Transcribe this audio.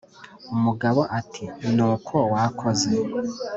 umugabo ati: "Ni uko wakoze!"